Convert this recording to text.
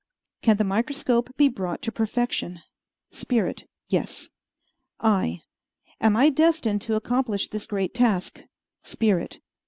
Can the microscope be brought to perfection? Spirit Yes. I. Am I destined to accomplish this great task? Spirit.